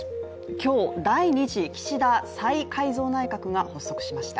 今日第２次岸田再改造内閣が発足しました。